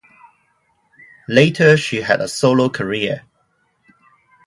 Later she had a solo career.